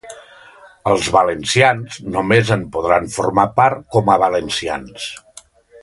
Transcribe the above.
Els valencians només en podran formar part com a valencians.